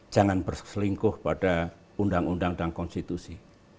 jangan berselingkuh pada undang undang dan konstitusi